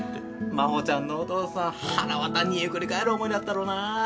真帆ちゃんのお父さんはらわた煮えくり返る思いだったろうな。